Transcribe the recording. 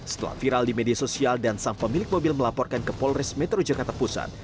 setelah viral di media sosial dan sang pemilik mobil melaporkan ke polres metro jakarta pusat